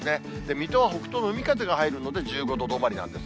水戸は北東の海風が入るので、１５度止まりなんです。